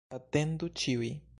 Atendu ĉiuj